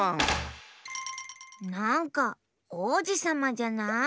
なんかおうじさまじゃない。